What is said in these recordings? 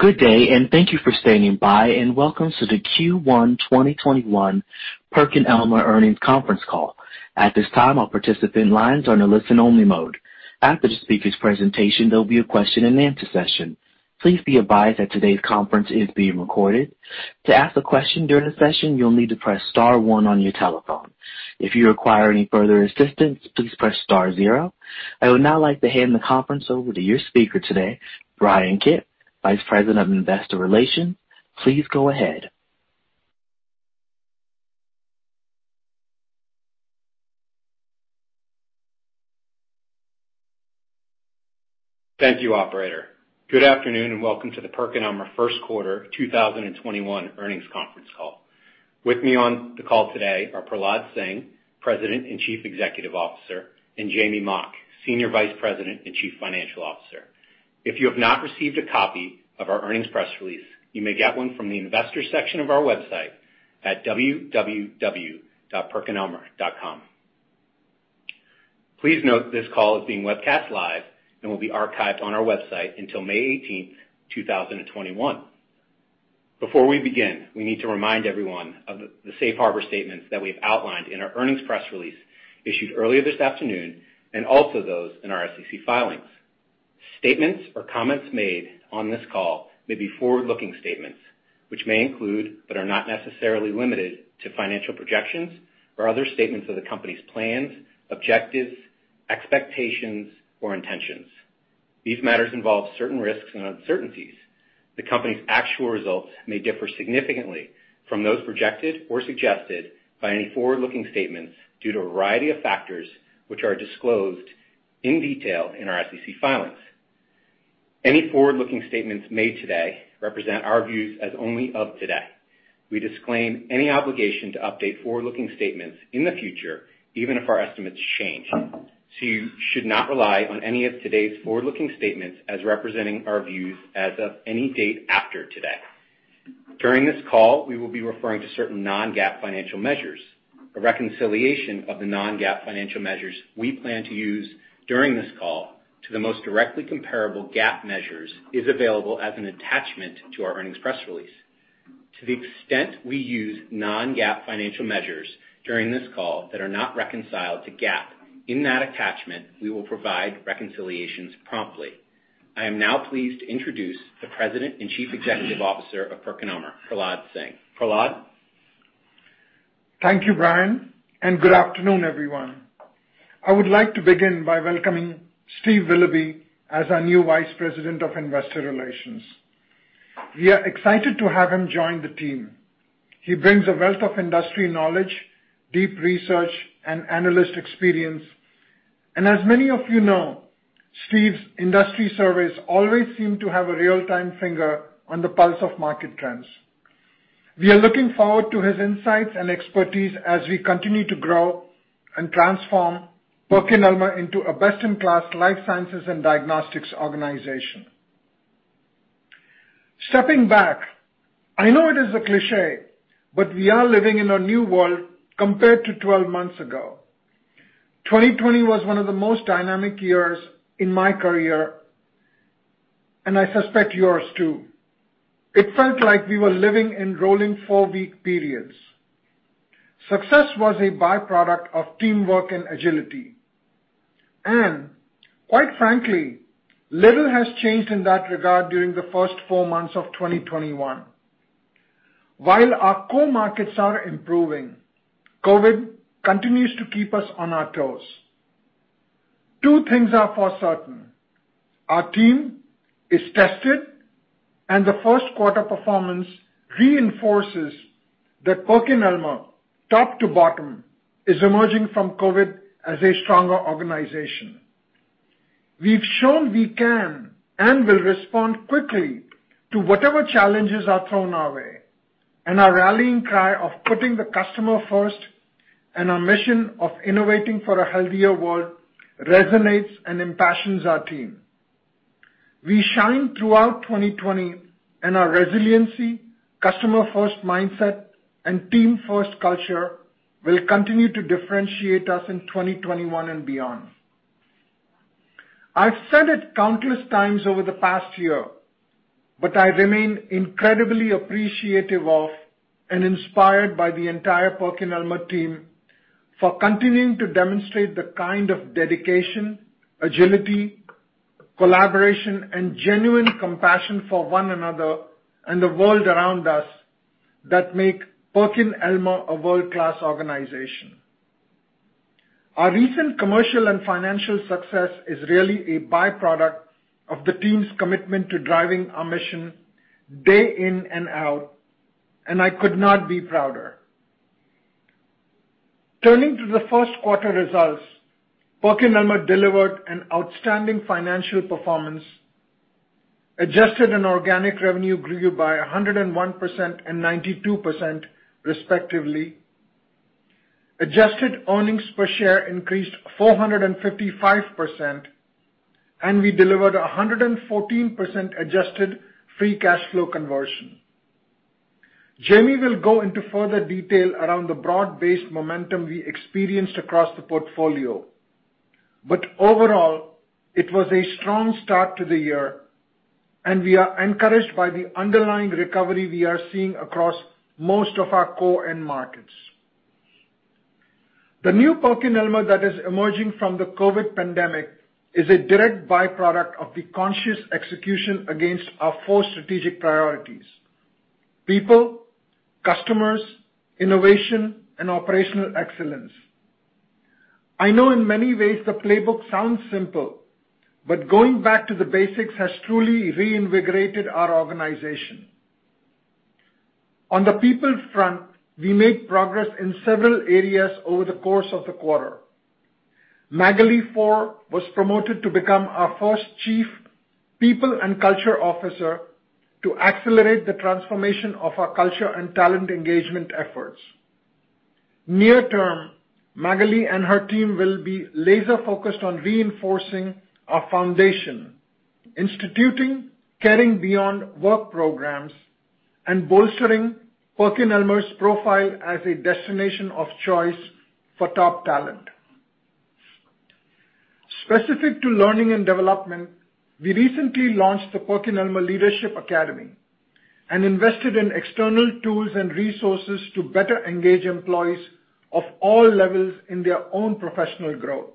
Good day, and thank you for standing by, and welcome to the Q1 2021 PerkinElmer Earnings Conference Call. At this time, all participant lines are in a listen-only mode. After the speaker's presentation, there'll be a question and answer session. Please be advised that today's conference is being recorded. To ask a question during the session, you'll need to press star one on your telephone. If you require any further assistance, please press star zero. I would now like to hand the conference over to your speaker today, Bryan Kipp, Vice President of Investor Relations. Please go ahead. Thank you, operator. Good afternoon, and welcome to the PerkinElmer First Quarter 2021 Earnings Conference Call. With me on the call today are Prahlad Singh, President and Chief Executive Officer, and Jamey Mock, Senior Vice President and Chief Financial Officer. If you have not received a copy of our earnings press release, you may get one from the investors section of our website at www.perkinelmer.com. Please note this call is being webcast live and will be archived on our website until May 18th, 2021. Before we begin, we need to remind everyone of the safe harbor statements that we've outlined in our earnings press release issued earlier this afternoon, and also those in our SEC filings. Statements or comments made on this call may be forward-looking statements which may include, but are not necessarily limited to, financial projections or other statements of the company's plans, objectives, expectations, or intentions. These matters involve certain risks and uncertainties. The company's actual results may differ significantly from those projected or suggested by any forward-looking statements due to a variety of factors, which are disclosed in detail in our SEC filings. Any forward-looking statements made today represent our views as only of today. We disclaim any obligation to update forward-looking statements in the future, even if our estimates change. You should not rely on any of today's forward-looking statements as representing our views as of any date after today. During this call, we will be referring to certain non-GAAP financial measures. A reconciliation of the non-GAAP financial measures we plan to use during this call to the most directly comparable GAAP measures is available as an attachment to our earnings press release. To the extent we use non-GAAP financial measures during this call that are not reconciled to GAAP in that attachment, we will provide reconciliations promptly. I am now pleased to introduce the President and Chief Executive Officer of PerkinElmer, Prahlad Singh. Prahlad? Thank you, Bryan, good afternoon, everyone. I would like to begin by welcoming Steve Willoughby as our new Vice President of Investor Relations. We are excited to have him join the team. He brings a wealth of industry knowledge, deep research, and analyst experience. As many of you know, Steve's industry surveys always seem to have a real-time finger on the pulse of market trends. We are looking forward to his insights and expertise as we continue to grow and transform PerkinElmer into a best-in-class life sciences and diagnostics organization. Stepping back, I know it is a cliché, but we are living in a new world compared to 12 months ago. 2020 was one of the most dynamic years in my career, I suspect yours too. It felt like we were living in rolling four-week periods. Success was a byproduct of teamwork and agility. Quite frankly, little has changed in that regard during the first four months of 2021. While our core markets are improving, COVID continues to keep us on our toes. Two things are for certain: our team is tested, and the first quarter performance reinforces that PerkinElmer, top to bottom, is emerging from COVID as a stronger organization. We've shown we can and will respond quickly to whatever challenges are thrown our way, and our rallying cry of putting the customer first and our mission of innovating for a healthier world resonates and impassions our team. We shined throughout 2020, and our resiliency, customer-first mindset, and team-first culture will continue to differentiate us in 2021 and beyond. I've said it countless times over the past year, but I remain incredibly appreciative of and inspired by the entire PerkinElmer team for continuing to demonstrate the kind of dedication, agility, collaboration, and genuine compassion for one another and the world around us that make PerkinElmer a world-class organization. Our recent commercial and financial success is really a byproduct of the team's commitment to driving our mission day in and out, and I could not be prouder. Turning to the first quarter results, PerkinElmer delivered an outstanding financial performance. Adjusted and organic revenue grew by 101% and 92% respectively. Adjusted earnings per share increased 455%, and we delivered 114% adjusted free cash flow conversion. Jamey will go into further detail around the broad-based momentum we experienced across the portfolio. Overall, it was a strong start to the year, and we are encouraged by the underlying recovery we are seeing across most of our core end markets. The new PerkinElmer that is emerging from the COVID pandemic is a direct byproduct of the conscious execution against our four strategic priorities: people, customers, innovation, and operational excellence. I know in many ways the playbook sounds simple, but going back to the basics has truly reinvigorated our organization. On the people front, we made progress in several areas over the course of the quarter. Magali Four was promoted to become our first Chief People & Culture Officer to accelerate the transformation of our culture and talent engagement efforts. Near term, Magali and her team will be laser-focused on reinforcing our foundation, instituting caring beyond work programs, and bolstering PerkinElmer's profile as a destination of choice for top talent. Specific to learning and development, we recently launched the PerkinElmer Leadership Academy and invested in external tools and resources to better engage employees of all levels in their own professional growth.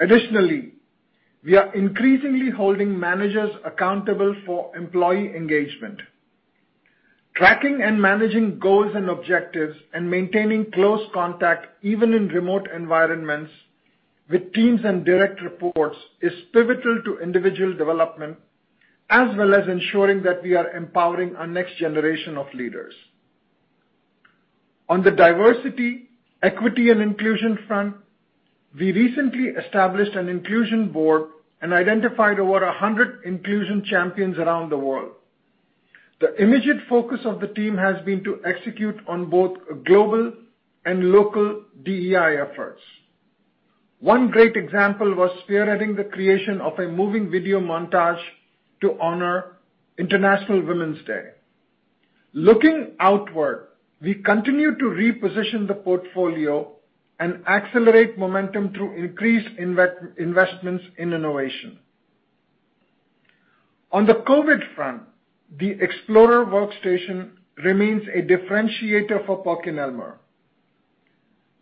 Additionally, we are increasingly holding managers accountable for employee engagement. Tracking and managing goals and objectives and maintaining close contact even in remote environments with teams and direct reports is pivotal to individual development, as well as ensuring that we are empowering our next generation of leaders. On the diversity, equity, and inclusion front, we recently established an inclusion board and identified over 100 inclusion champions around the world. The immediate focus of the team has been to execute on both global and local DEI efforts. One great example was spearheading the creation of a moving video montage to honor International Women's Day. Looking outward, we continue to reposition the portfolio and accelerate momentum through increased investments in innovation. On the COVID front, the Explorer workstation remains a differentiator for PerkinElmer.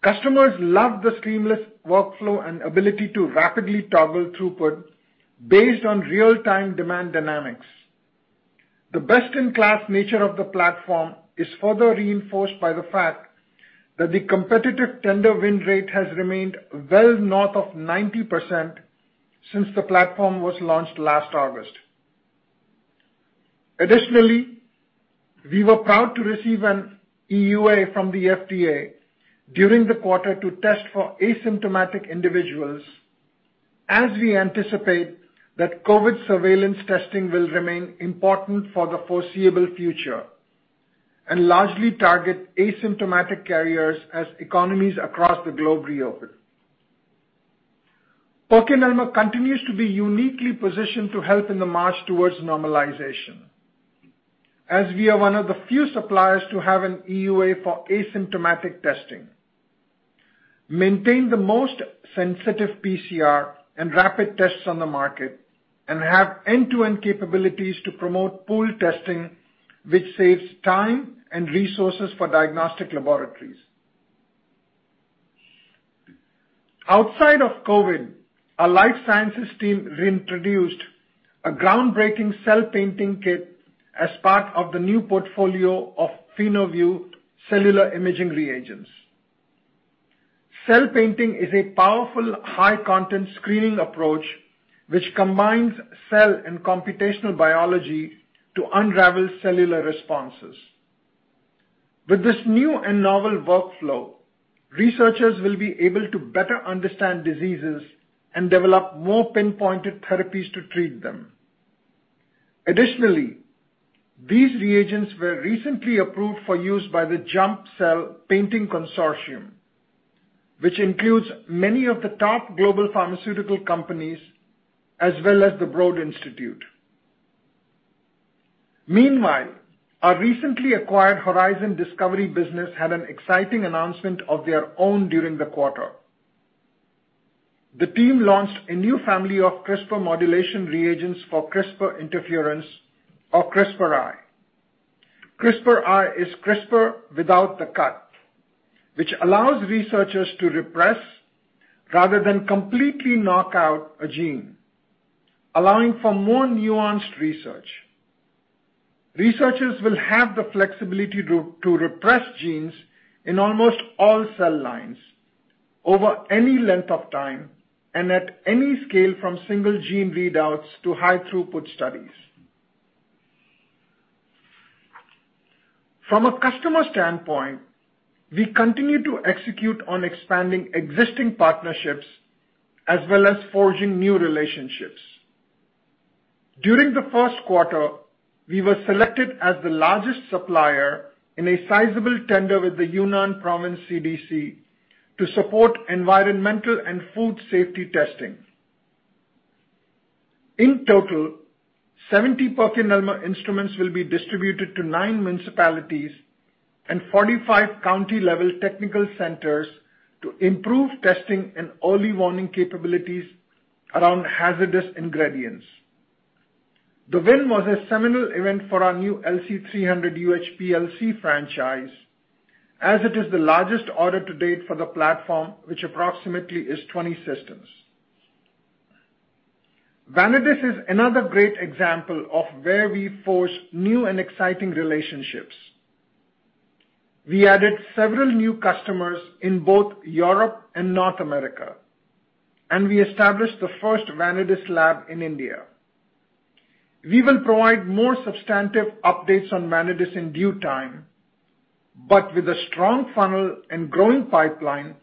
Customers love the seamless workflow and ability to rapidly toggle throughput based on real-time demand dynamics. The best-in-class nature of the platform is further reinforced by the fact that the competitive tender win rate has remained well north of 90% since the platform was launched last August. Additionally, we were proud to receive an EUA from the FDA during the quarter to test for asymptomatic individuals, as we anticipate that COVID surveillance testing will remain important for the foreseeable future and largely target asymptomatic carriers as economies across the globe reopen. PerkinElmer continues to be uniquely positioned to help in the march towards normalization. As we are one of the few suppliers to have an EUA for asymptomatic testing, maintain the most sensitive PCR and rapid tests on the market, and have end-to-end capabilities to promote pool testing, which saves time and resources for diagnostic laboratories. Outside of COVID, our life sciences team reintroduced a groundbreaking cell painting kit as part of the new portfolio of PhenoVue cellular imaging reagents. Cell painting is a powerful high-content screening approach which combines cell and computational biology to unravel cellular responses. With this new and novel workflow, researchers will be able to better understand diseases and develop more pinpointed therapies to treat them. These reagents were recently approved for use by the JUMP-Cell Painting Consortium, which includes many of the top global pharmaceutical companies as well as the Broad Institute. Meanwhile, our recently acquired Horizon Discovery business had an exciting announcement of their own during the quarter. The team launched a new family of CRISPR modulation reagents for CRISPR interference or CRISPRi. CRISPRi is CRISPR without the cut, which allows researchers to repress rather than completely knock out a gene, allowing for more nuanced research. Researchers will have the flexibility to repress genes in almost all cell lines over any length of time and at any scale from single-gene readouts to high-throughput studies. From a customer standpoint, we continue to execute on expanding existing partnerships as well as forging new relationships. During the first quarter, we were selected as the largest supplier in a sizable tender with the Yunnan Province CDC to support environmental and food safety testing. In total, 70 PerkinElmer instruments will be distributed to nine municipalities and 45 county-level technical centers to improve testing and early warning capabilities around hazardous ingredients. The win was a seminal event for our new LC 300 UHPLC franchise, as it is the largest order to date for the platform, which approximately is 20 systems. Vanadis is another great example of where we forge new and exciting relationships. We added several new customers in both Europe and North America, and we established the first Vanadis lab in India. We will provide more substantive updates on Vanadis in due time, but with a strong funnel and growing pipeline,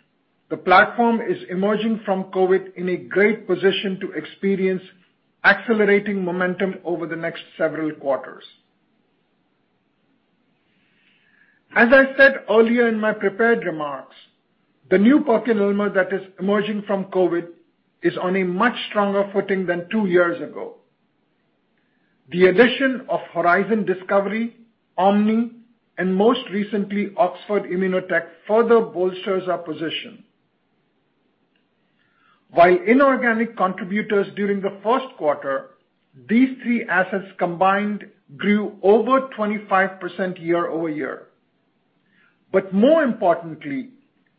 the platform is emerging from COVID in a great position to experience accelerating momentum over the next several quarters. As I said earlier in my prepared remarks, the new PerkinElmer that is emerging from COVID is on a much stronger footing than two years ago. The addition of Horizon Discovery, Omni, and most recently, Oxford Immunotec, further bolsters our position. While inorganic contributors during the first quarter, these three assets combined grew over 25% year-over-year. More importantly,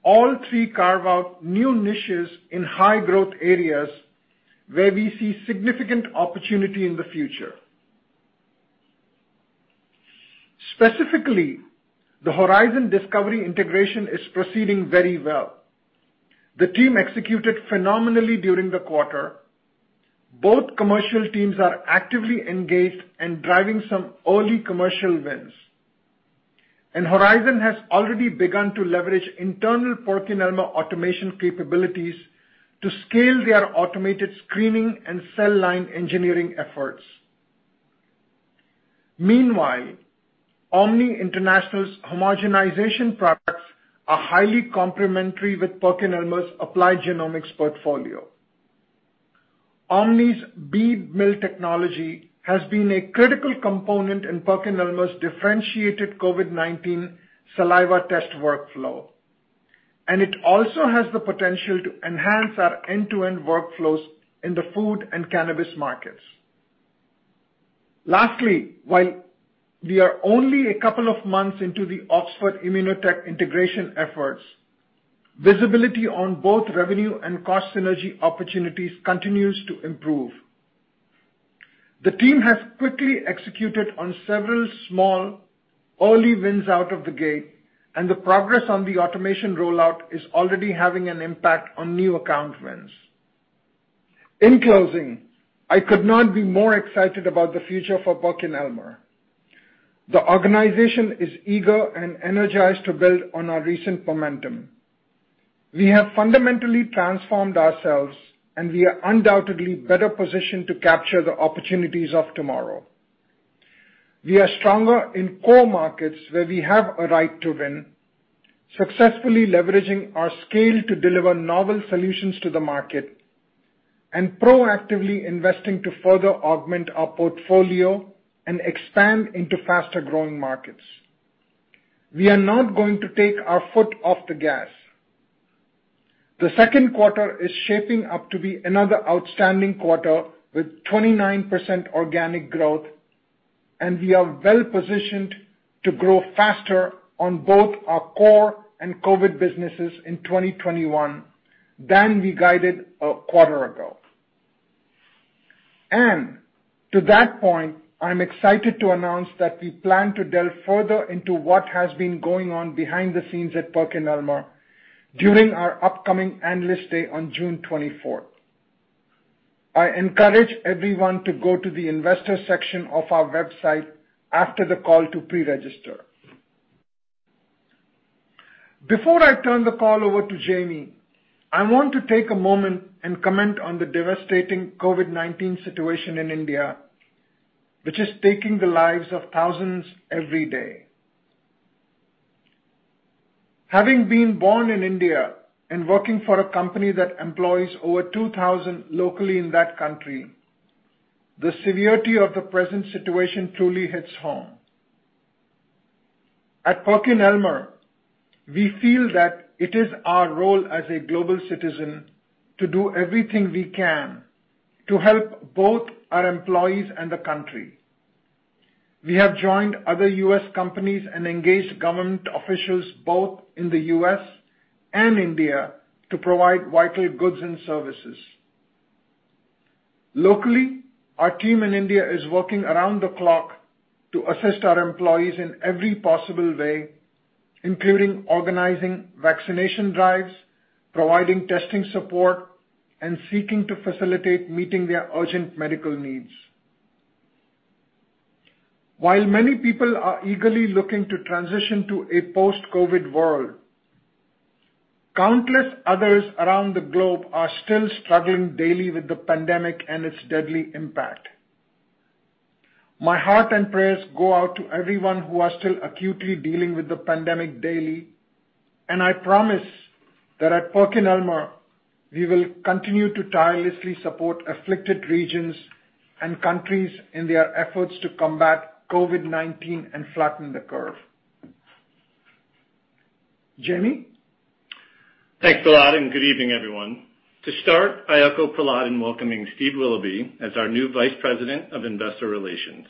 all three carve out new niches in high-growth areas where we see significant opportunity in the future. Specifically, the Horizon Discovery integration is proceeding very well. The team executed phenomenally during the quarter. Both commercial teams are actively engaged and driving some early commercial wins. Horizon has already begun to leverage internal PerkinElmer automation capabilities to scale their automated screening and cell line engineering efforts. Meanwhile, Omni International's homogenization products are highly complementary with PerkinElmer's applied genomics portfolio. Omni's bead mill technology has been a critical component in PerkinElmer's differentiated COVID-19 saliva test workflow, and it also has the potential to enhance our end-to-end workflows in the food and cannabis markets. Lastly, while we are only a couple of months into the Oxford Immunotec integration efforts, visibility on both revenue and cost synergy opportunities continues to improve. The team has quickly executed on several small, early wins out of the gate, and the progress on the automation rollout is already having an impact on new account wins. In closing, I could not be more excited about the future for PerkinElmer. The organization is eager and energized to build on our recent momentum. We have fundamentally transformed ourselves, and we are undoubtedly better positioned to capture the opportunities of tomorrow. We are stronger in core markets where we have a right to win, successfully leveraging our scale to deliver novel solutions to the market, and proactively investing to further augment our portfolio and expand into faster-growing markets. We are not going to take our foot off the gas. The second quarter is shaping up to be another outstanding quarter, with 29% organic growth, and we are well-positioned to grow faster on both our core and COVID businesses in 2021 than we guided a quarter ago. To that point, I'm excited to announce that we plan to delve further into what has been going on behind the scenes at PerkinElmer during our upcoming Analyst Day on June 24th. I encourage everyone to go to the investor section of our website after the call to pre-register. Before I turn the call over to Jamey, I want to take a moment and comment on the devastating COVID-19 situation in India, which is taking the lives of thousands every day. Having been born in India and working for a company that employs over 2,000 locally in that country, the severity of the present situation truly hits home. At PerkinElmer, we feel that it is our role as a global citizen to do everything we can to help both our employees and the country. We have joined other U.S. companies and engaged government officials both in the U.S. and India to provide vital goods and services. Locally, our team in India is working around the clock to assist our employees in every possible way, including organizing vaccination drives, providing testing support, and seeking to facilitate meeting their urgent medical needs. While many people are eagerly looking to transition to a post-COVID world, countless others around the globe are still struggling daily with the pandemic and its deadly impact. My heart and prayers go out to everyone who are still acutely dealing with the pandemic daily, and I promise that at PerkinElmer, we will continue to tirelessly support afflicted regions and countries in their efforts to combat COVID-19 and flatten the curve. Jamey? Thanks, Prahlad, and good evening, everyone. To start, I echo Prahlad in welcoming Steve Willoughby as our new vice president of investor relations.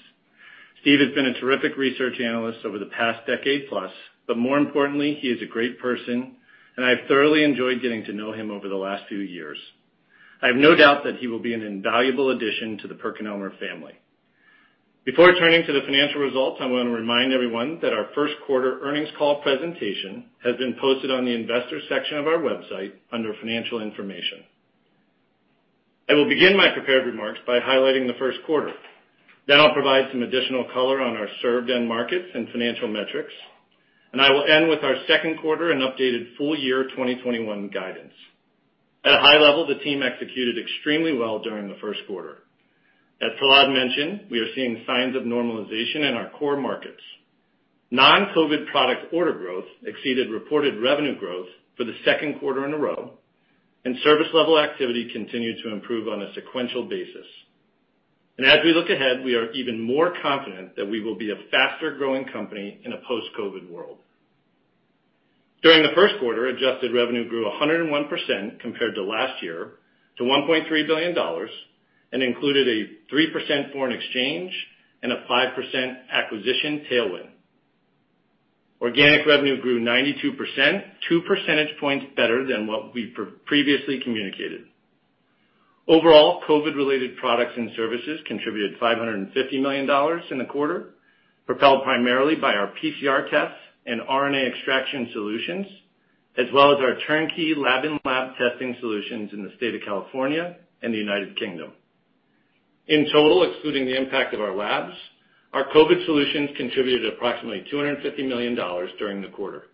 Steve has been a terrific research analyst over the past decade plus, but more importantly, he is a great person, and I've thoroughly enjoyed getting to know him over the last few years. I have no doubt that he will be an invaluable addition to the PerkinElmer family. Before turning to the financial results, I want to remind everyone that our first quarter earnings call presentation has been posted on the investors section of our website under financial information. I will begin my prepared remarks by highlighting the first quarter. I'll provide some additional color on our served end markets and financial metrics, and I will end with our second quarter and updated full year 2021 guidance. At a high level, the team executed extremely well during the first quarter. As Prahlad mentioned, we are seeing signs of normalization in our core markets. Non-COVID product order growth exceeded reported revenue growth for the second quarter in a row, and service level activity continued to improve on a sequential basis. As we look ahead, we are even more confident that we will be a faster-growing company in a post-COVID world. During the first quarter, adjusted revenue grew 101% compared to last year, to $1.3 billion, and included a 3% foreign exchange and a 5% acquisition tailwind. Organic revenue grew 92%, 2 percentage points better than what we previously communicated. Overall, COVID-related products and services contributed $550 million in the quarter, propelled primarily by our PCR tests and RNA extraction solutions, as well as our turnkey lab and lab testing solutions in the state of California and the U.K. In total, excluding the impact of our labs, our COVID solutions contributed approximately $250 million during the quarter.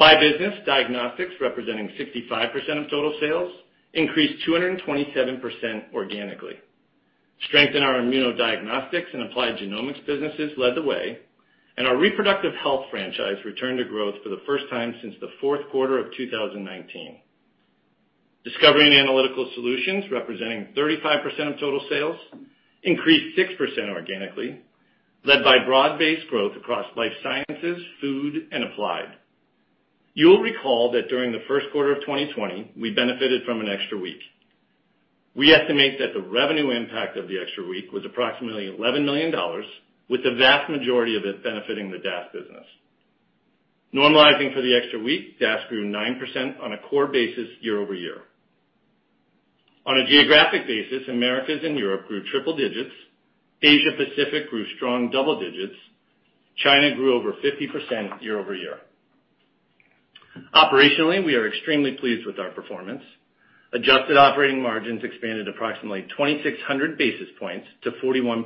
By business, Diagnostics, representing 65% of total sales, increased 227% organically. Strength in our immunodiagnostics and applied genomics businesses led the way, and our reproductive health franchise returned to growth for the first time since the fourth quarter of 2019. Discovery and Analytical Solutions, representing 35% of total sales, increased 6% organically, led by broad-based growth across life sciences, food, and applied. You'll recall that during the first quarter of 2020, we benefited from an extra week. We estimate that the revenue impact of the extra week was approximately $11 million, with the vast majority of it benefiting the DAS business. Normalizing for the extra week, DAS grew 9% on a core basis year-over-year. On a geographic basis, Americas and Europe grew triple digits. Asia Pacific grew strong double digits. China grew over 50% year-over-year. Operationally, we are extremely pleased with our performance. Adjusted operating margins expanded approximately 2,600 basis points to 41%,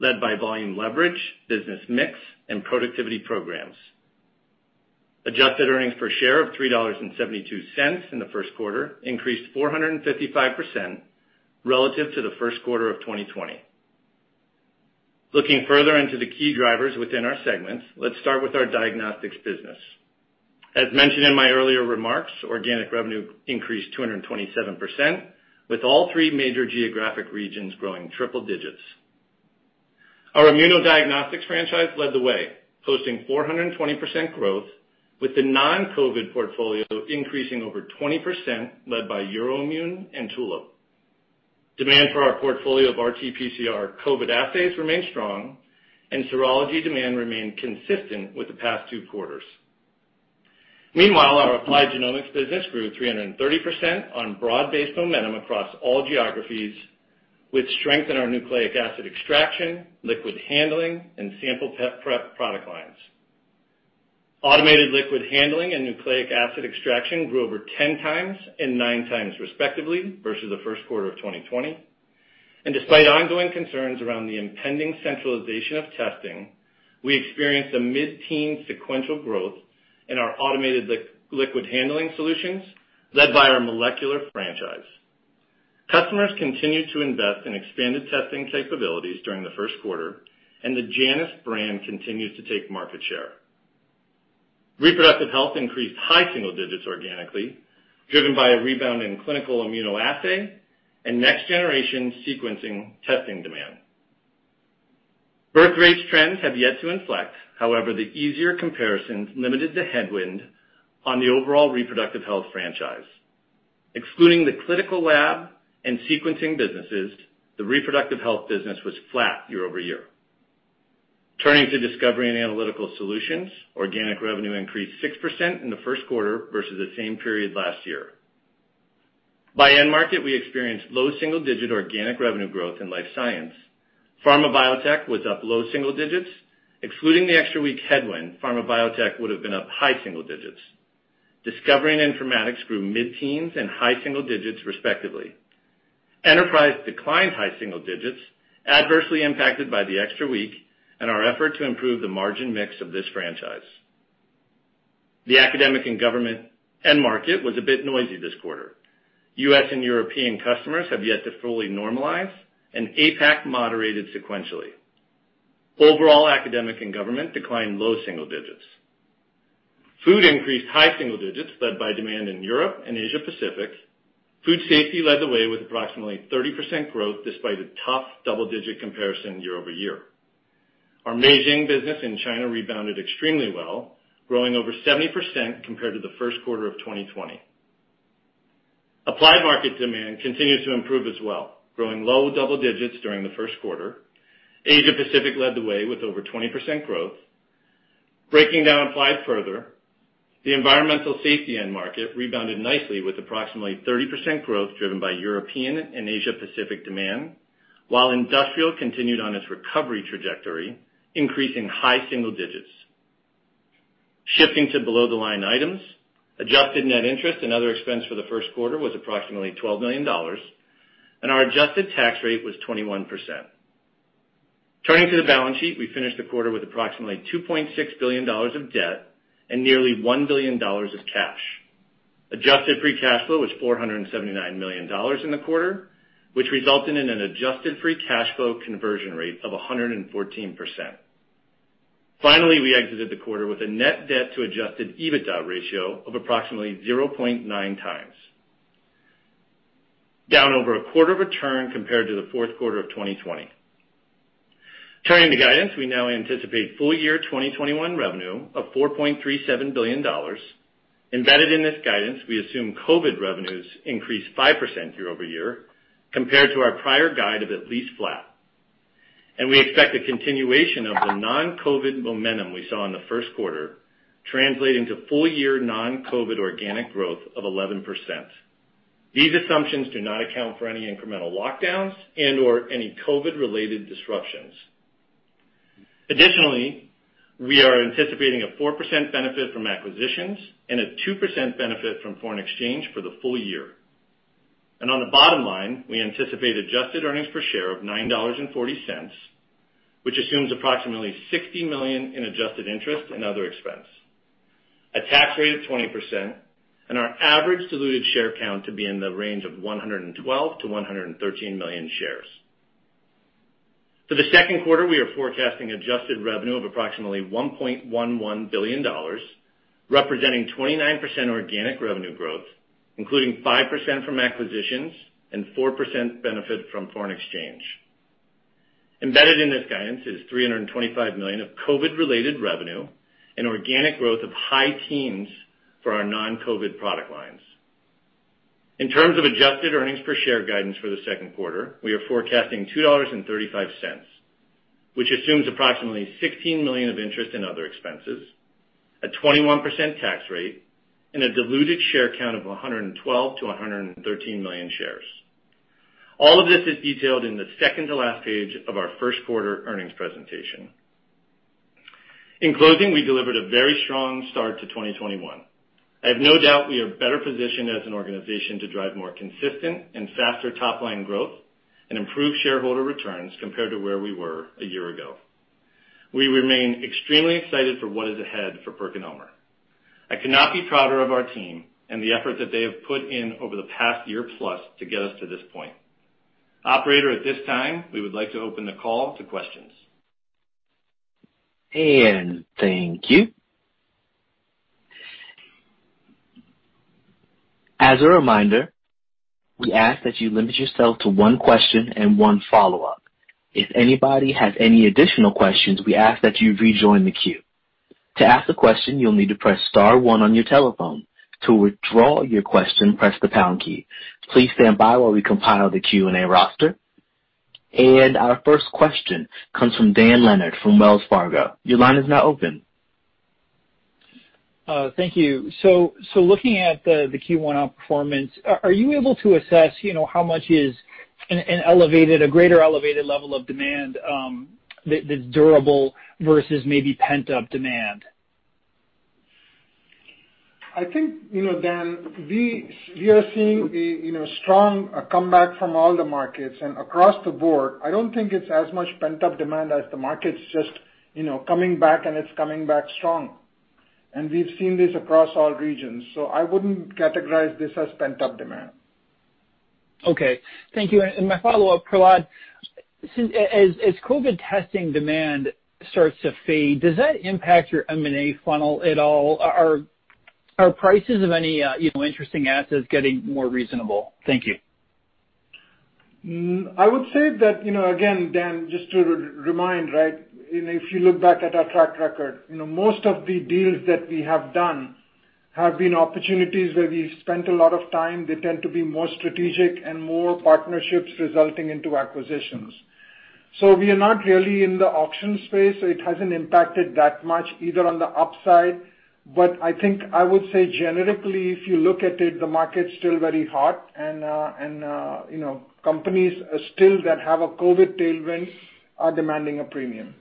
led by volume leverage, business mix, and productivity programs. Adjusted earnings per share of $3.72 in the first quarter increased 455% relative to the first quarter of 2020. Looking further into the key drivers within our segments, let's start with our diagnostics business. As mentioned in my earlier remarks, organic revenue increased 227%, with all three major geographic regions growing triple digits. Our immunodiagnostics franchise led the way, posting 420% growth, with the non-COVID portfolio increasing over 20%, led by EUROIMMUN and Tulip Diagnostics. Demand for our portfolio of RT-PCR COVID assays remained strong, and serology demand remained consistent with the past two quarters. Meanwhile, our applied genomics business grew 330% on broad-based momentum across all geographies, with strength in our nucleic acid extraction, liquid handling, and sample prep product lines. Automated liquid handling and nucleic acid extraction grew over 10 times and nine times respectively versus the first quarter of 2020. Despite ongoing concerns around the impending centralization of testing, we experienced a mid-teen sequential growth in our automated liquid handling solutions, led by our molecular franchise. Customers continued to invest in expanded testing capabilities during the first quarter, and the JANUS brand continues to take market share. Reproductive health increased high single digits organically, driven by a rebound in clinical immunoassay and next-generation sequencing testing demand. Birth rates trends have yet to inflect. The easier comparisons limited the headwind on the overall reproductive health franchise. Excluding the clinical lab and sequencing businesses, the reproductive health business was flat year-over-year. Turning to discovery and analytical solutions, organic revenue increased 6% in the first quarter versus the same period last year. By end market, we experienced low single-digit organic revenue growth in life science. Pharma biotech was up low single digits. Excluding the extra week headwind, pharma biotech would have been up high single digits. Discovery and informatics grew mid-teens and high single digits respectively. Enterprise declined high single digits, adversely impacted by the extra week and our effort to improve the margin mix of this franchise. The academic and government end market was a bit noisy this quarter. U.S. and European customers have yet to fully normalize, and APAC moderated sequentially. Overall, academic and government declined low single digits. Food increased high single digits, led by demand in Europe and Asia-Pacific. Food safety led the way with approximately 30% growth despite a tough double-digit comparison year-over-year. Our Meizheng business in China rebounded extremely well, growing over 70% compared to the first quarter of 2020. Applied market demand continues to improve as well, growing low double digits during the first quarter. Asia-Pacific led the way with over 20% growth. Breaking down applied further, the environmental safety end market rebounded nicely with approximately 30% growth, driven by European and Asia-Pacific demand, while industrial continued on its recovery trajectory, increasing high single digits. Shifting to below-the-line items, adjusted net interest and other expense for the first quarter was approximately $12 million, and our adjusted tax rate was 21%. Turning to the balance sheet, we finished the quarter with approximately $2.6 billion of debt and nearly $1 billion of cash. Adjusted free cash flow was $479 million in the quarter, which resulted in an adjusted free cash flow conversion rate of 114%. Finally, we exited the quarter with a net debt to adjusted EBITDA ratio of approximately 0.9 times, down over a quarter of a turn compared to the fourth quarter of 2020. Turning to guidance, we now anticipate full year 2021 revenue of $4.37 billion. Embedded in this guidance, we assume COVID revenues increased 5% year-over-year compared to our prior guide of at least flat. We expect a continuation of the non-COVID momentum we saw in the first quarter translate into full year non-COVID organic growth of 11%. These assumptions do not account for any incremental lockdowns and/or any COVID related disruptions. Additionally, we are anticipating a 4% benefit from acquisitions and a 2% benefit from foreign exchange for the full year. On the bottom line, we anticipate adjusted earnings per share of $9.40, which assumes approximately $60 million in adjusted interest and other expense, a tax rate of 20%, and our average diluted share count to be in the range of 112-113 million shares. For the second quarter, we are forecasting adjusted revenue of approximately $1.11 billion, representing 29% organic revenue growth, including 5% from acquisitions and 4% benefit from foreign exchange. Embedded in this guidance is $325 million of COVID-related revenue and organic growth of high teens for our non-COVID product lines. In terms of adjusted earnings per share guidance for the second quarter, we are forecasting $2.35, which assumes approximately $16 million of interest in other expenses, a 21% tax rate, and a diluted share count of 112-113 million shares. All of this is detailed in the second to last page of our first quarter earnings presentation. In closing, we delivered a very strong start to 2021. I have no doubt we are better positioned as an organization to drive more consistent and faster top-line growth and improve shareholder returns compared to where we were a year ago. We remain extremely excited for what is ahead for PerkinElmer. I could not be prouder of our team and the effort that they have put in over the past year plus to get us to this point. Operator, at this time, we would like to open the call to questions. Thank you. As a reminder, we ask that you limit yourself to one question and one follow-up. If anybody has any additional questions, we ask that you rejoin the queue. To ask a question, you will need to press star one on your telephone. To withdraw your question, press the pound key. Our first question comes from Dan Leonard, from Wells Fargo. Your line is now open. Thank you. Looking at the Q1 outperformance, are you able to assess how much is a greater elevated level of demand that's durable versus maybe pent-up demand? I think, Dan, we are seeing a strong comeback from all the markets and across the board. I don't think it's as much pent-up demand as the market's just coming back, and it's coming back strong. We've seen this across all regions, so I wouldn't categorize this as pent-up demand. Okay. Thank you. My follow-up, Prahlad. As COVID testing demand starts to fade, does that impact your M&A funnel at all? Are prices of any interesting assets getting more reasonable? Thank you. I would say that, again, Dan, just to remind, if you look back at our track record, most of the deals that we have done have been opportunities where we've spent a lot of time. They tend to be more strategic and more partnerships resulting into acquisitions. We are not really in the auction space, so it hasn't impacted that much either on the upside. I think I would say generically, if you look at it, the market's still very hot and companies still that have a COVID tailwind are demanding a premium.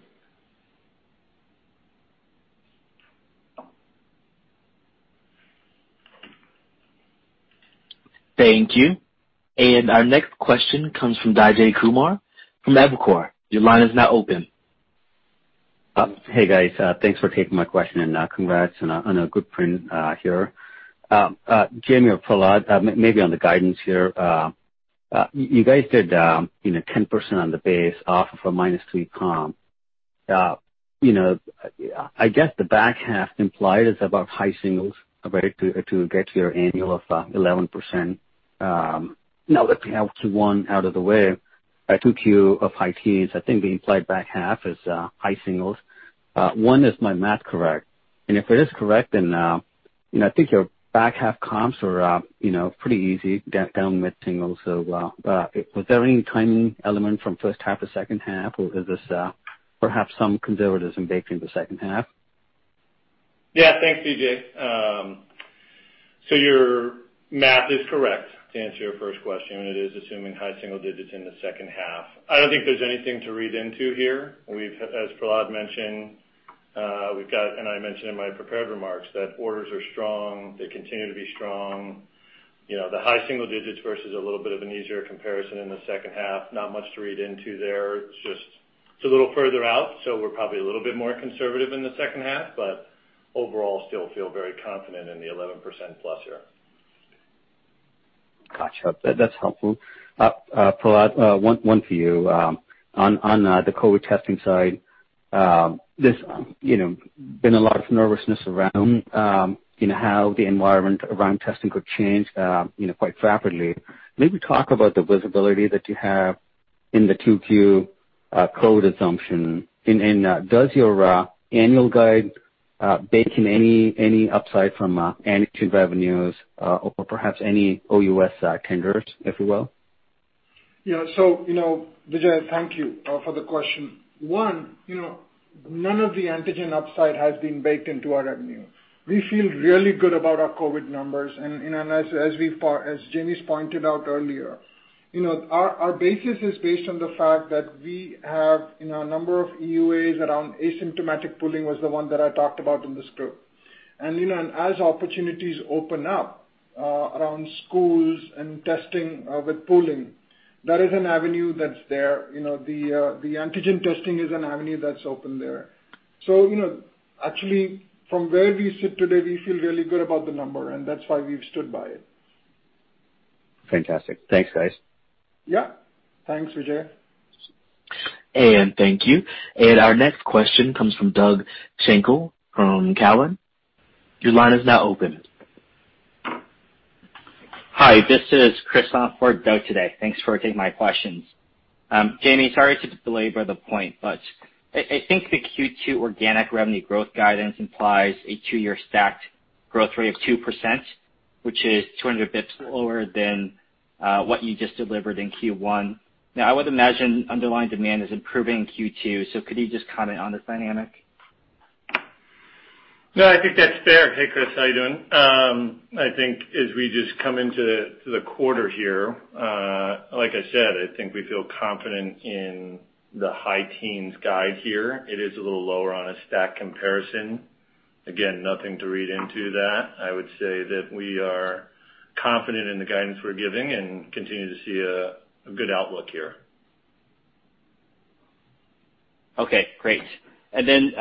Thank you. Our next question comes from Vijay Kumar from Evercore. Your line is now open. Hey, guys. Thanks for taking my question. Congrats on a good print here. Jamey or Prahlad, maybe on the guidance here. You guys did 10% on the base off of a -3% comp. Guess the back half implied is about high singles to get to your annual of 11%. With the 1Q out of the way, 2Q of high teens, I think we implied back half is high singles. One, is my math correct? If it is correct, I think your back half comps were pretty easy, down mid-singles. Was there any timing element from first half to second half, or is this perhaps some conservatism baked in the second half? Yeah, thanks, Vijay. Your math is correct, to answer your first question, and it is assuming high single digits in the second half. I don't think there's anything to read into here. As Prahlad mentioned, we've got, and I mentioned in my prepared remarks, that orders are strong, they continue to be strong. The high single digits versus a little bit of an easier comparison in the second half, not much to read into there. It's a little further out, so we're probably a little bit more conservative in the second half, but overall, still feel very confident in the 11% plus here. Gotcha. That's helpful. Prahlad, one for you. On the COVID testing side, there's been a lot of nervousness around how the environment around testing could change quite rapidly. Maybe talk about the visibility that you have in the 2Q COVID assumption, and does your annual guide bake in any upside from antigen revenues or perhaps any OUS tenders, if you will? Vijay, thank you for the question. One, none of the antigen upside has been baked into our revenue. We feel really good about our COVID numbers, and as Jamey's pointed out earlier. Our basis is based on the fact that we have a number of EUAs around asymptomatic pooling, was the one that I talked about in the script. As opportunities open up around schools and testing with pooling, that is an avenue that's there. The antigen testing is an avenue that's open there. Actually, from where we sit today, we feel really good about the number, and that's why we've stood by it. Fantastic. Thanks, guys. Yeah. Thanks, Vijay. Thank you. Our next question comes from Doug Schenkel from Cowen. Your line is now open. Hi, this is Chris on for Doug today. Thanks for taking my questions. Jamey, sorry to belabor the point, I think the Q2 organic revenue growth guidance implies a two-year stacked growth rate of 2%, which is 200 basis points lower than what you just delivered in Q1. I would imagine underlying demand is improving in Q2. Could you just comment on this dynamic? No, I think that's fair. Hey, Chris, how you doing? I think as we just come into the quarter here, like I said, I think we feel confident in the high teens guide here. It is a little lower on a stacked comparison. Again, nothing to read into that. I would say that we are confident in the guidance we're giving and continue to see a good outlook here. Okay, great. Then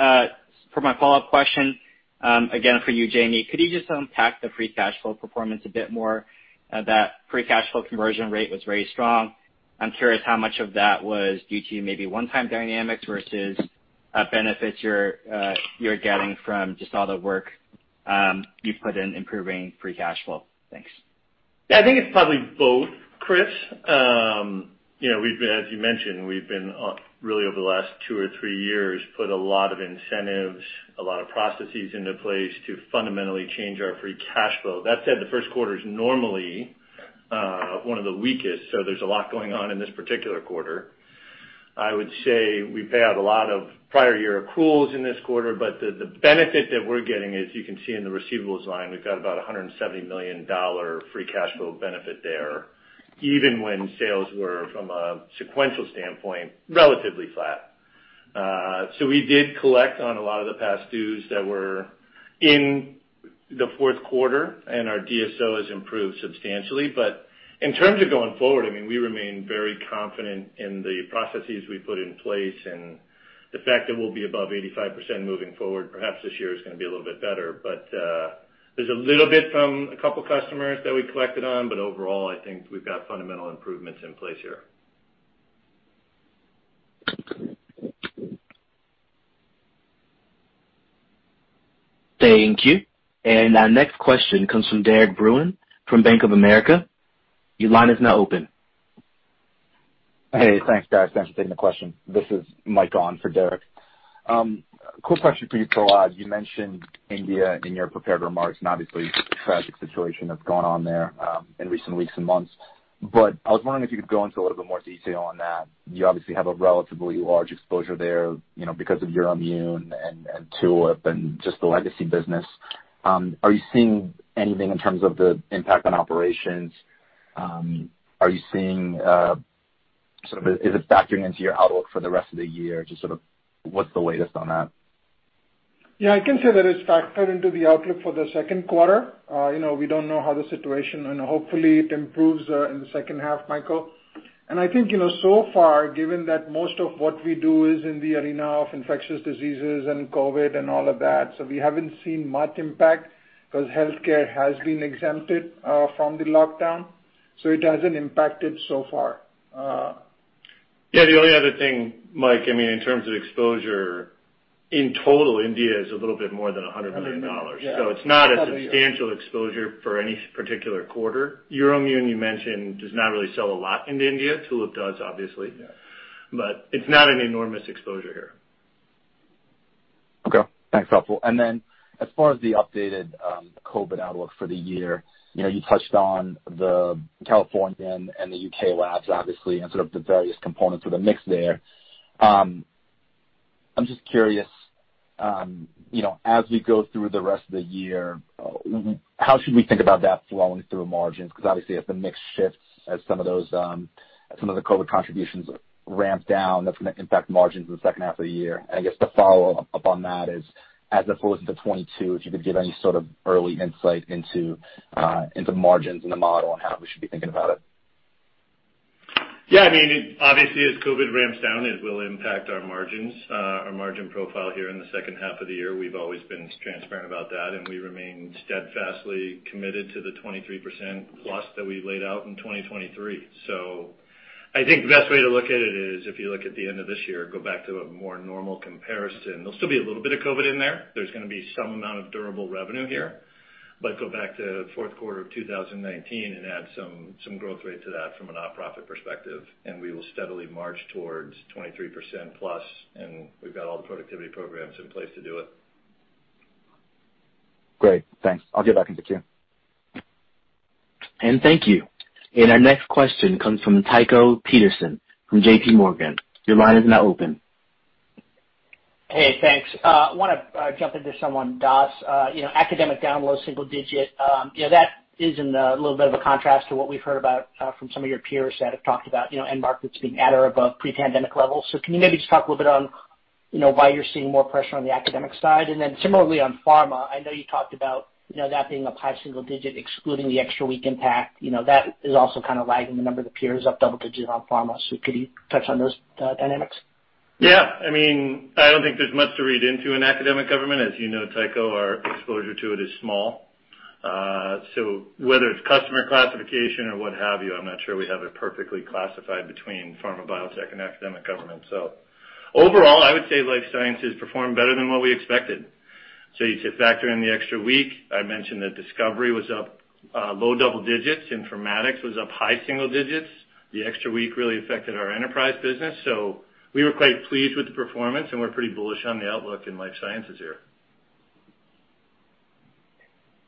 for my follow-up question, again for you, Jamey, could you just unpack the free cash flow performance a bit more? That free cash flow conversion rate was very strong. I'm curious how much of that was due to maybe one-time dynamics versus benefits you're getting from just all the work you've put in improving free cash flow. Thanks. I think it's probably both, Chris. As you mentioned, we've been really over the last two or three years, put a lot of incentives, a lot of processes into place to fundamentally change our free cash flow. That said, the first quarter's normally one of the weakest, so there's a lot going on in this particular quarter. I would say we pay out a lot of prior year accruals in this quarter, but the benefit that we're getting, as you can see in the receivables line, we've got about $170 million free cash flow benefit there, even when sales were from a sequential standpoint, relatively flat. We did collect on a lot of the past dues that were in the fourth quarter, and our DSO has improved substantially. In terms of going forward, we remain very confident in the processes we put in place and the fact that we'll be above 85% moving forward. Perhaps this year is going to be a little bit better, but there's a little bit from a couple of customers that we collected on, but overall, I think we've got fundamental improvements in place here. Thank you. Our next question comes from Derik de Bruin from Bank of America. Your line is now open. Hey, thanks, guys. Thanks for taking the question. This is Mike on for Derik. Quick question for you, Prahlad. You mentioned India in your prepared remarks, and obviously the tragic situation that's gone on there in recent weeks and months. I was wondering if you could go into a little bit more detail on that. You obviously have a relatively large exposure there because of EUROIMMUN and Tulip and just the legacy business. Are you seeing anything in terms of the impact on operations? Is it factoring into your outlook for the rest of the year? Just sort of what's the latest on that? Yeah, I can say that it's factored into the outlook for the second quarter. We don't know how the situation. Hopefully it improves in the second half, Michael. I think, so far, given that most of what we do is in the arena of infectious diseases and COVID and all of that, we haven't seen much impact because healthcare has been exempted from the lockdown, so it hasn't impacted so far. Yeah. The only other thing, Mike, in terms of exposure, in total, India is a little bit more than $100 million. $100 million, yeah. It's not a substantial exposure for any particular quarter. EUROIMMUN, you mentioned, does not really sell a lot into India. Tulip does, obviously. Yeah. It's not an enormous exposure here. Okay. Thanks. Helpful. As far as the updated COVID outlook for the year, you touched on the Californian and the U.K. labs, obviously, and sort of the various components of the mix there. I'm just curious, as we go through the rest of the year, how should we think about that flowing through margins? Obviously, if the mix shifts as some of the COVID contributions ramp down, that's going to impact margins in the second half of the year. I guess the follow-up on that is, as it flows into 2022, if you could give any sort of early insight into margins in the model and how we should be thinking about it. Yeah. Obviously, as COVID ramps down, it will impact our margins, our margin profile here in the second half of the year. We've always been transparent about that, and we remain steadfastly committed to the 23% plus that we laid out in 2023. I think the best way to look at it is if you look at the end of this year, go back to a more normal comparison. There'll still be a little bit of COVID in there. There's going to be some amount of durable revenue here, but go back to fourth quarter of 2019 and add some growth rate to that from a nonprofit perspective, and we will steadily march towards 23% plus, and we've got all the productivity programs in place to do it. Great. Thanks. I'll get back into queue. Thank you. Our next question comes from Tycho Peterson from JPMorgan. Your line is now open. Hey, thanks. Want to jump into some on DAS. Academic down low single-digit. That is in a little bit of a contrast to what we've heard about from some of your peers that have talked about end markets being at or above pre-pandemic levels. Can you maybe just talk a little bit on why you're seeing more pressure on the academic side? Similarly on pharma, I know you talked about that being a high single-digit, excluding the extra week impact. That is also kind of lagging the number that peers up double-digit on pharma. Could you touch on those dynamics? Yeah. I don't think there's much to read into in academic government. As you know, Tycho, our exposure to it is small. Whether it's customer classification or what have you, I'm not sure we have it perfectly classified between pharma, biotech, and academic government. Overall, I would say life sciences performed better than what we expected. You factor in the extra week. I mentioned that discovery was up low double digits. Informatics was up high single digits. The extra week really affected our enterprise business. We were quite pleased with the performance, and we're pretty bullish on the outlook in life sciences here.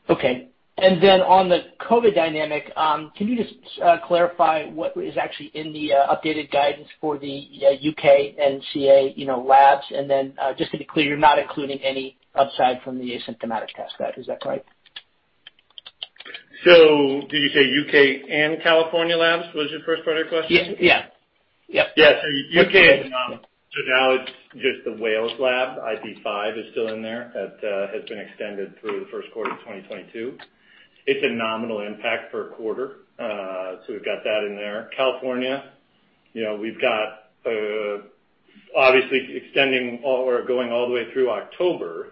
Okay. On the COVID dynamic, can you just clarify what is actually in the updated guidance for the U.K. and C.A. labs? Just to be clear, you're not including any upside from the asymptomatic test guide, is that correct? Did you say U.K. and California labs, was your first part of your question? Yeah. Yeah. U.K., now it's just the Wales lab. IP5 is still in there. That has been extended through the first quarter of 2022. It's a nominal impact for a quarter. We've got that in there. California, we've got obviously extending or going all the way through October,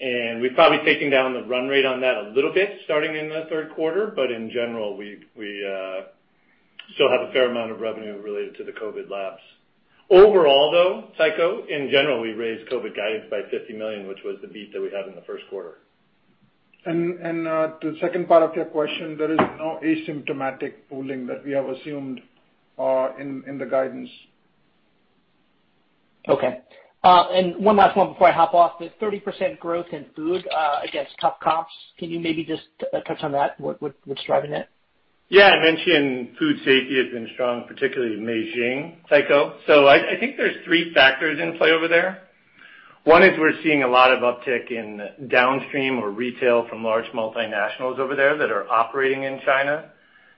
and we're probably taking down the run rate on that a little bit starting in the third quarter. In general, we still have a fair amount of revenue related to the COVID labs. Overall, though, Tycho, in general, we raised COVID guidance by $50 million, which was the beat that we had in the first quarter. The second part of your question, there is no asymptomatic pooling that we have assumed in the guidance. Okay. One last one before I hop off. The 30% growth in food against tough comps, can you maybe just touch on that? What's driving that? I mentioned food safety has been strong, particularly Meizheng, Tycho. I think there's three factors in play over there. One is we're seeing a lot of uptick in downstream or retail from large multinationals over there that are operating in China.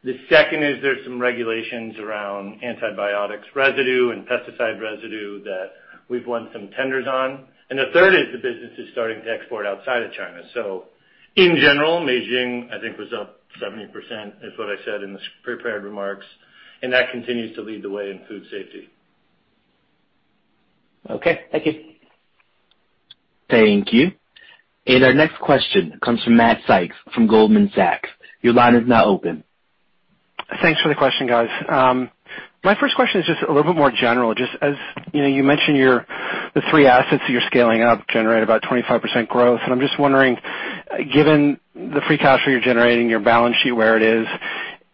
The second is there's some regulations around antibiotics residue and pesticide residue that we've won some tenders on. The third is the business is starting to export outside of China. In general, Meizheng, I think, was up 70%, is what I said in the prepared remarks, and that continues to lead the way in food safety. Okay. Thank you. Thank you. Our next question comes from Matt Sykes from Goldman Sachs. Your line is now open. Thanks for the question, guys. My first question is just a little bit more general. Just as you mentioned the three assets you're scaling up generate about 25% growth, and I'm just wondering, given the free cash flow you're generating, your balance sheet where it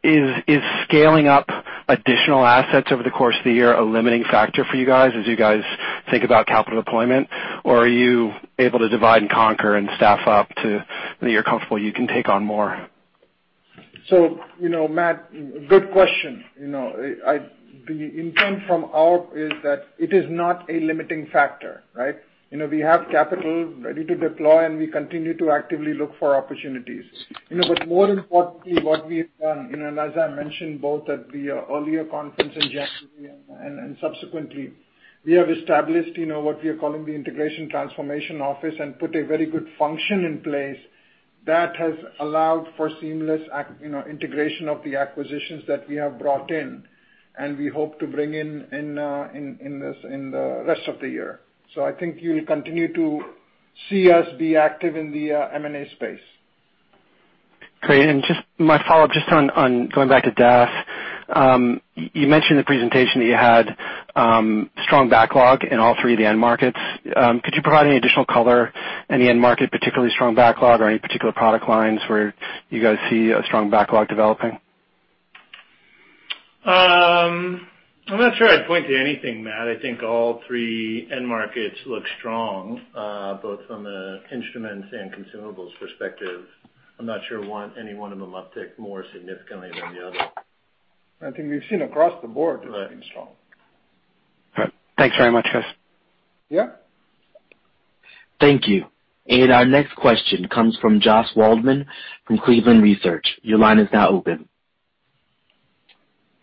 is scaling up additional assets over the course of the year a limiting factor for you guys as you guys think about capital deployment? Are you able to divide and conquer and staff up to that you're comfortable you can take on more? Matt, good question. In terms from our is that it is not a limiting factor, right? We have capital ready to deploy, and we continue to actively look for opportunities. More importantly, what we have done, and as I mentioned both at the earlier conference in January and subsequently, we have established what we are calling the Integration Transformation Office and put a very good function in place that has allowed for seamless integration of the acquisitions that we have brought in and we hope to bring in the rest of the year. I think you'll continue to see us be active in the M&A space. Great. My follow-up, just on going back to DAS. You mentioned in the presentation that you had strong backlog in all three of the end markets. Could you provide any additional color, any end market, particularly strong backlog or any particular product lines where you guys see a strong backlog developing? I'm not sure I'd point to anything, Matt. I think all three end markets look strong, both from an instruments and consumables perspective. I'm not sure any one of them uptick more significantly than the other. I think we've seen across the board everything's strong. All right. Thanks very much, guys. Yeah. Thank you. Our next question comes from Josh Waldman from Cleveland Research. Your line is now open.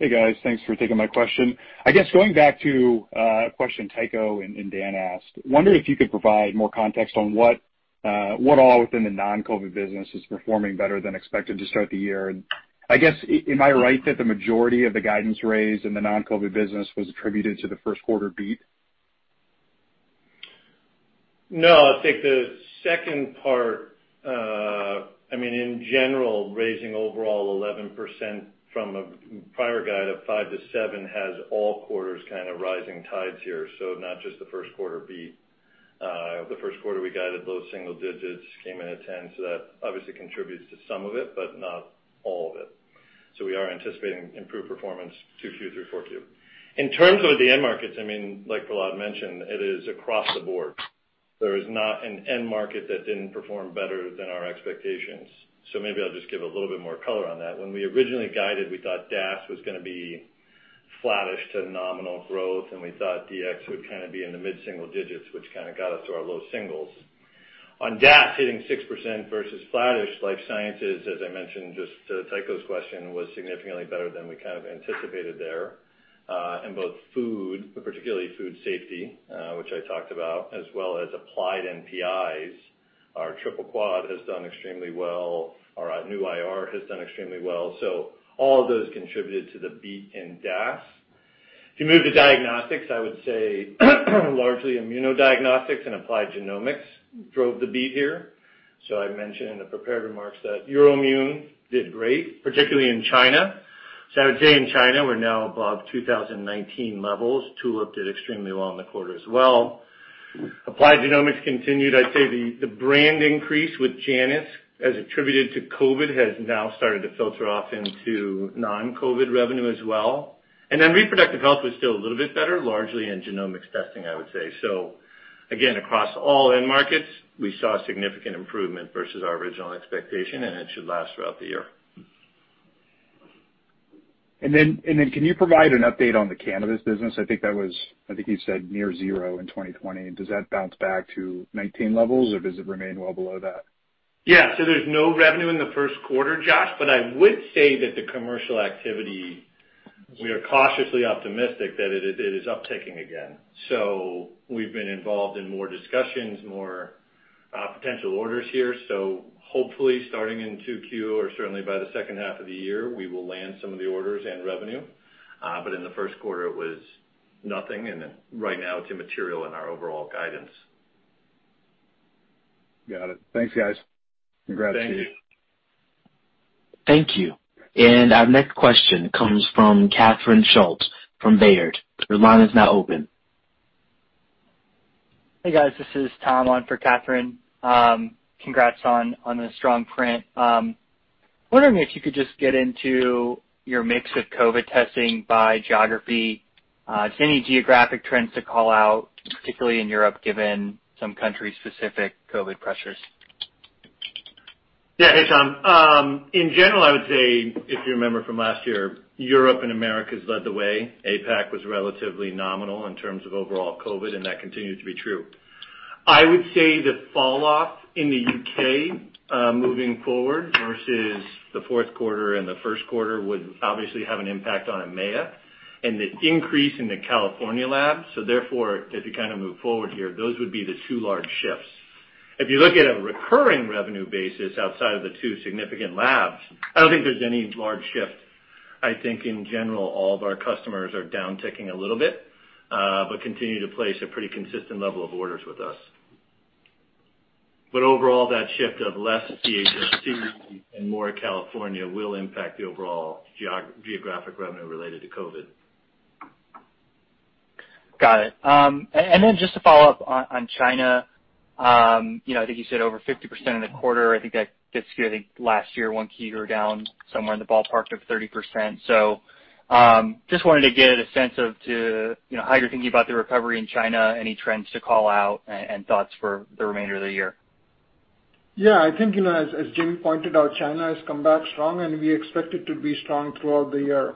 Hey, guys. Thanks for taking my question. I guess going back to a question Tycho and Dan asked, wondering if you could provide more context on what all within the non-COVID business is performing better than expected to start the year. I guess, am I right that the majority of the guidance raised in the non-COVID business was attributed to the first quarter beat? No, I think the second part, in general, raising overall 11% from a prior guide of 5%-7% has all quarters kind of rising tides here, not just the first quarter beat. The first quarter, we guided low single digits, came in at 10%, that obviously contributes to some of it, but not all of it. We are anticipating improved performance 2Q through 4Q. In terms of the end markets, like Prahlad mentioned, it is across the board. There is not an end market that didn't perform better than our expectations. Maybe I'll just give a little bit more color on that. When we originally guided, we thought DAS was going to be flattish to nominal growth, and we thought DX would be in the mid-single digits, which got us to our low singles. DAS hitting 6% versus flattish, life sciences, as I mentioned just to Tycho's question, was significantly better than we anticipated there. In both food, but particularly food safety, which I talked about, as well as applied NPIs, our triple quad has done extremely well. Our new IR has done extremely well. All of those contributed to the beat in DAS. If you move to diagnostics, I would say largely immunodiagnostics and applied genomics drove the beat here. I mentioned in the prepared remarks that EUROIMMUN did great, particularly in China. I would say in China, we're now above 2019 levels. Tulip did extremely well in the quarter as well. Applied genomics continued. I'd say the brand increase with JANUS, as attributed to COVID, has now started to filter off into non-COVID revenue as well. Reproductive health was still a little bit better, largely in genomics testing, I would say. Again, across all end markets, we saw significant improvement versus our original expectation, and it should last throughout the year. Can you provide an update on the cannabis business? I think you said near zero in 2020. Does that bounce back to 2019 levels or does it remain well below that? There's no revenue in the first quarter, Josh, but I would say that the commercial activity, we are cautiously optimistic that it is up ticking again. We've been involved in more discussions, more potential orders here. Hopefully starting in 2Q or certainly by the second half of the year, we will land some of the orders and revenue. In the first quarter, it was nothing, and then right now it's immaterial in our overall guidance. Got it. Thanks, guys. Congrats to you. Thank you. Thank you. Our next question comes from Catherine Schulte from Baird. Your line is now open. Hey, guys. This is Tom on for Catherine. Congrats on the strong print. Wondering if you could just get into your mix of COVID testing by geography. If any geographic trends to call out, particularly in Europe, given some country-specific COVID pressures. Hey, Tom. In general, I would say, if you remember from last year, APAC and Americas led the way. APAC was relatively nominal in terms of overall COVID, and that continues to be true. I would say the fall-off in the U.K., moving forward versus the fourth quarter and the first quarter would obviously have an impact on EMEA, and the increase in the California labs. Therefore, as you move forward here, those would be the two large shifts. If you look at a recurring revenue basis outside of the two significant labs, I don't think there's any large shift. I think in general, all of our customers are down ticking a little bit, but continue to place a pretty consistent level of orders with us. Overall, that shift of less DHSC and more California will impact the overall geographic revenue related to COVID. Got it. Just to follow up on China, I think you said over 50% in the quarter. I think that gets you, last year, 1Q, you were down somewhere in the ballpark of 30%. Just wanted to get a sense of how you're thinking about the recovery in China, any trends to call out and thoughts for the remainder of the year. Yeah, I think as Jamey pointed out, China has come back strong, and we expect it to be strong throughout the year.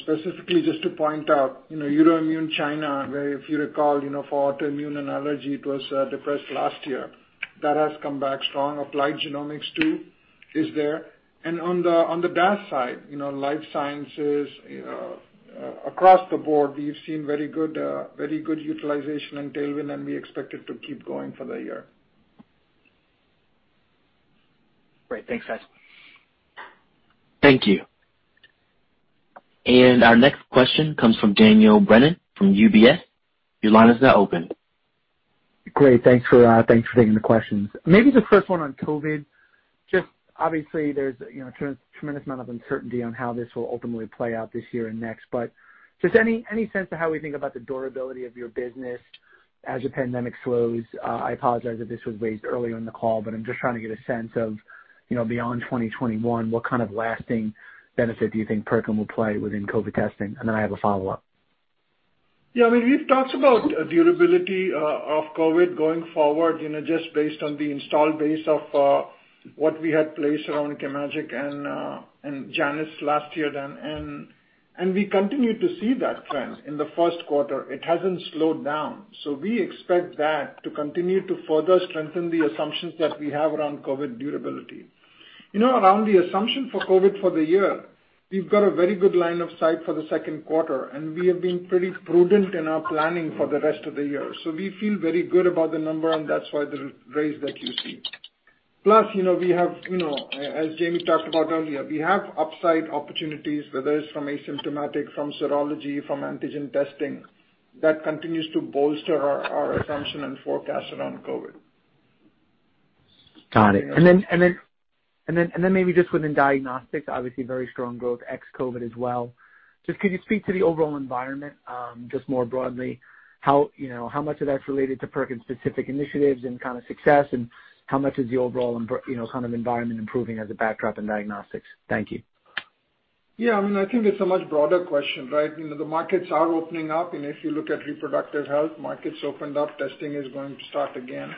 Specifically, just to point out, EUROIMMUN, China, where if you recall for autoimmune and allergy, it was depressed last year. That has come back strong. Applied genomics too is there. On the DAS side, life sciences, across the board, we've seen very good utilization and tailwind, and we expect it to keep going for the year. Great. Thanks, guys. Thank you. Our next question comes from Daniel Brennan from UBS. Your line is now open. Great. Thanks for taking the questions. The first one on COVID. Obviously there's a tremendous amount of uncertainty on how this will ultimately play out this year and next, but just any sense of how we think about the durability of your business as the pandemic slows? I apologize if this was raised earlier in the call, but I'm just trying to get a sense of beyond 2021, what kind of lasting benefit do you think PerkinElmer will play within COVID testing? I have a follow-up. We've talked about durability of COVID going forward, just based on the install base of what we had placed around chemagic and JANUS last year then, and we continue to see that trend in the first quarter. It hasn't slowed down. We expect that to continue to further strengthen the assumptions that we have around COVID durability. Around the assumption for COVID for the year, we've got a very good line of sight for the second quarter, and we have been pretty prudent in our planning for the rest of the year. We feel very good about the number, and that's why the raise that you see. As Jamey talked about earlier, we have upside opportunities, whether it's from asymptomatic, from serology, from antigen testing. That continues to bolster our assumption and forecast around COVID. Got it. Maybe just within diagnostics, obviously very strong growth ex-COVID as well, could you speak to the overall environment, just more broadly, how much of that's related to PerkinElmer-specific initiatives and kind of success, and how much is the overall kind of environment improving as a backdrop in diagnostics? Thank you. Yeah, I think it's a much broader question, right? The markets are opening up. If you look at reproductive health, markets opened up. Testing is going to start again.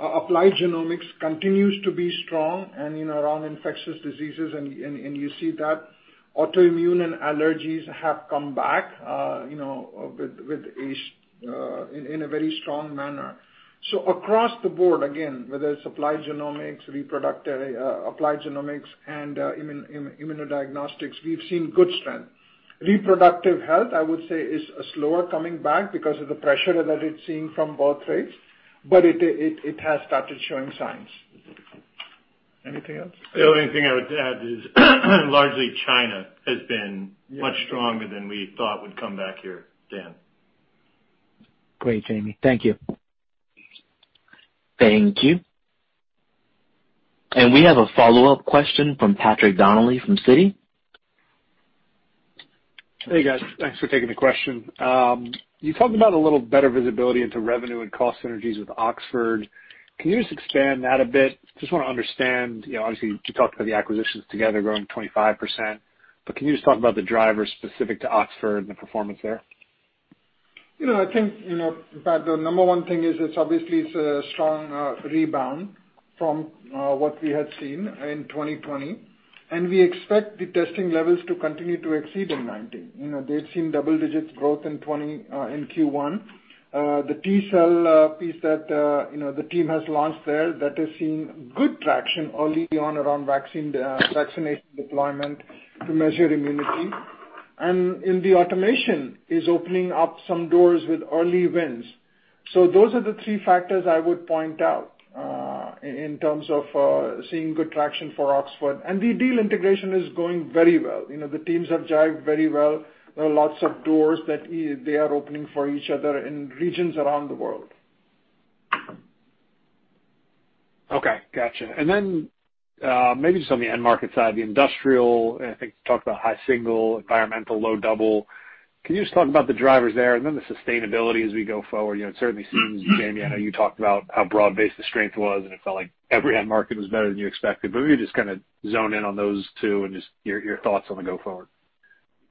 Applied genomics continues to be strong around infectious diseases. You see that autoimmune and allergies have come back in a very strong manner. Across the board, again, whether it's applied genomics, reproductive applied genomics, and immunodiagnostics, we've seen good strength. Reproductive health, I would say, is slower coming back because of the pressure that it's seeing from birthrates, but it has started showing signs. Anything else? The only thing I would add is largely China has been much stronger than we thought would come back here, Dan. Great, Jamey. Thank you. Thank you. We have a follow-up question from Patrick Donnelly from Citi. Hey, guys. Thanks for taking the question. You talked about a little better visibility into revenue and cost synergies with Oxford. Can you just expand that a bit? Just want to understand, obviously, you talked about the acquisitions together growing 25%, Can you just talk about the drivers specific to Oxford and the performance there? I think the number one thing is it's obviously it's a strong rebound from what we had seen in 2020, and we expect the testing levels to continue to exceed in 2019. They've seen double-digit growth in Q1. The T-cell piece that the team has launched there, that has seen good traction early on around vaccination deployment to measure immunity. In the automation is opening up some doors with early wins. So those are the three factors I would point out in terms of seeing good traction for Oxford. The deal integration is going very well. The teams have jived very well. There are lots of doors that they are opening for each other in regions around the world. Okay, got you. Maybe just on the end market side, the industrial, and I think you talked about high single, environmental low double. Can you just talk about the drivers there and then the sustainability as we go forward? Certainly, Jamey, I know you talked about how broad-based the strength was, and it felt like every end market was better than you expected, but maybe just kind of zone in on those two and just your thoughts on the go forward.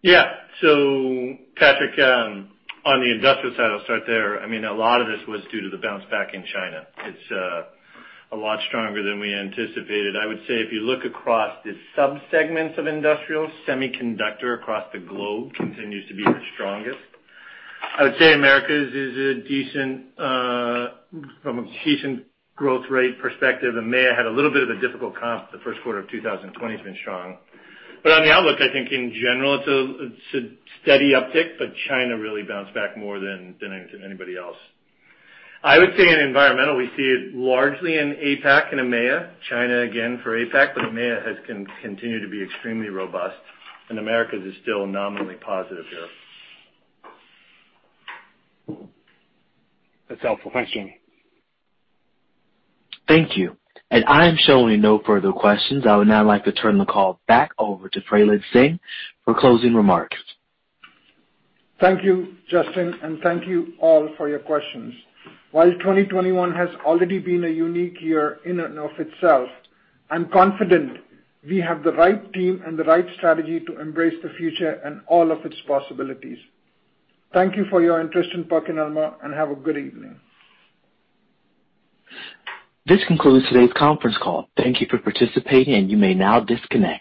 Patrick, on the industrial side, I'll start there. A lot of this was due to the bounce back in China. It's a lot stronger than we anticipated. I would say if you look across the sub-segments of industrial, semiconductor across the globe continues to be our strongest. I would say Americas is a decent, from a decent growth rate perspective, EMEA had a little bit of a difficult comp. The first quarter of 2020 has been strong. On the outlook, I think in general it's a steady uptick, but China really bounced back more than anybody else. I would say in environmental, we see it largely in APAC and EMEA, China again for APAC, but EMEA has continued to be extremely robust, and Americas is still nominally positive here. That's helpful. Thanks, Jamey. Thank you. I am showing no further questions. I would now like to turn the call back over to Prahlad Singh for closing remarks. Thank you, Justin, and thank you all for your questions. While 2021 has already been a unique year in and of itself, I'm confident we have the right team and the right strategy to embrace the future and all of its possibilities. Thank you for your interest in PerkinElmer, and have a good evening. This concludes today's conference call. Thank you for participating, and you may now disconnect.